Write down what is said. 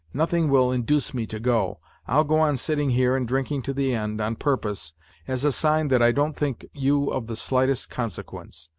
Nothing will induce me to go. I'll go on sitting here and drinking to the end, on purpose, as a sign that I don't think you of the slightest consequence.